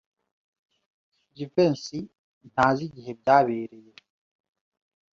Jivency ntazi igihe byabereye.